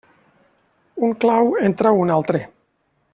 Un clau en trau un altre.